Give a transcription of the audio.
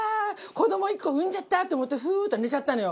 子ども産んじゃった！と思ってふっと寝ちゃったのよ。